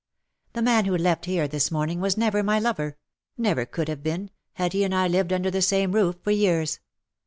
" The man who left here this morning was never my lover — never could have been, had he and I lived under the same roof for years.